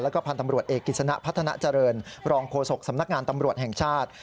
แล้วก็พันธ์ตำรวจเอกกิจสนะพัฒนาเจริญรองโฆษกสำนักงานตำรวจแห่งชาติ